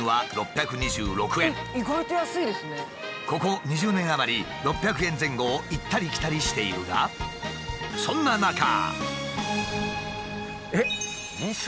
ここ２０年余り６００円前後を行ったり来たりしているがそんな中。